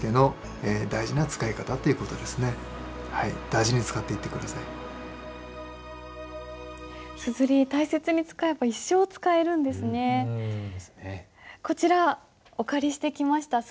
硯大切に使えば一生使えるんですね。ですね。